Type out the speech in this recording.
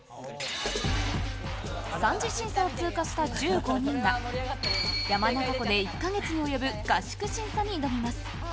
３次審査を通過した１５人が山中湖で１か月に及ぶ合宿審査に挑みます。